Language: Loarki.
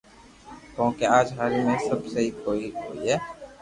ڪونڪھ اج ھاوري مي سبب سھي ڪوئئي ھوئي